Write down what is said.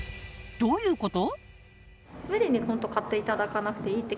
どういうこと？